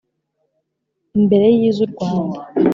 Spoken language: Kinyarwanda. imbere y iz u Rwanda